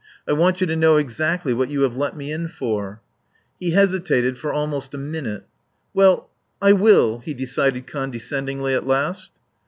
I want you to know exactly what you have let me in for." He hesitated for almost a minute. "Well I will," he said condescendingly at last.